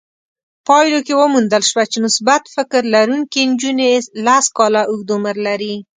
پايلو کې وموندل شوه چې مثبت فکر لرونکې نجونې لس کاله اوږد عمر لري.